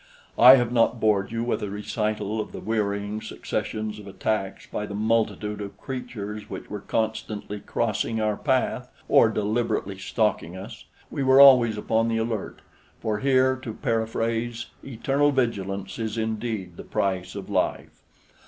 I have not bored you with a recital of the wearying successions of attacks by the multitude of creatures which were constantly crossing our path or deliberately stalking us. We were always upon the alert; for here, to paraphrase, eternal vigilance is indeed the price of life.